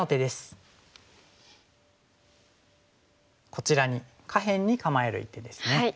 こちらに下辺に構える一手ですね。